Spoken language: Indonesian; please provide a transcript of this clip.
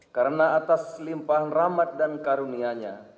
karena atas limpahan rahmat dan karunianya